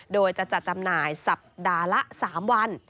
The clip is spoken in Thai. โดยจะจัดจำหน่ายสัปดาห์ละ๓วัน